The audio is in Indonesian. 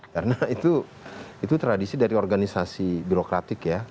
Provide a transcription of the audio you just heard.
karena itu tradisi dari organisasi birokratik ya